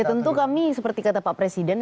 ya tentu kami seperti kata pak presiden